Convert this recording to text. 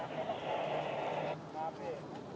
ใน